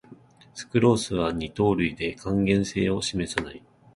スクロースは二糖類で還元性を示さない